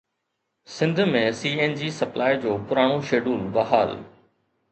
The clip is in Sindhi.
سنڌ ۾ سي اين جي سپلاءِ جو پراڻو شيڊول بحال